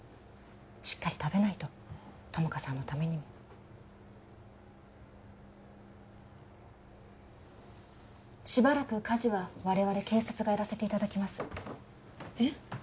しっかり食べないと友果さんのためにもしばらく家事は我々警察がやらせていただきますえっ？